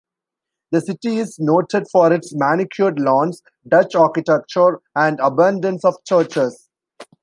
The city is noted for its manicured lawns, Dutch architecture, and abundance of churches.